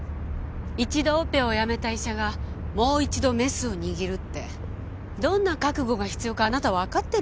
オペを辞めた医者がもう一度メスを握るってどんな覚悟が必要かあなた分かってる？